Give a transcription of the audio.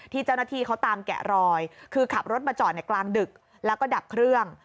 เจ้าหน้าที่เขาตามแกะรอยคือขับรถมาจอดในกลางดึกแล้วก็ดับเครื่อง